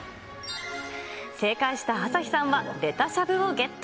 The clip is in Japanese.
正解した朝日さんは、レタしゃぶをゲット。